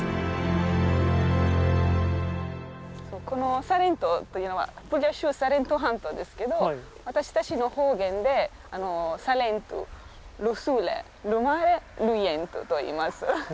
このサレントというのはプーリア州サレント半島ですけど私たちの方言でサレントルスーレルマーレルイエントといいます。